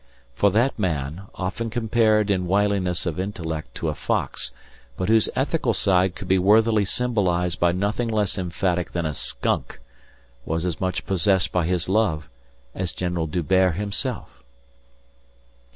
For that man, often compared in wiliness of intellect to a fox but whose ethical side could be worthily symbolised by nothing less emphatic than a skunk, was as much possessed by his love as General D'Hubert himself.